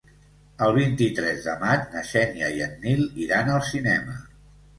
El vint-i-tres de maig na Xènia i en Nil iran al cinema.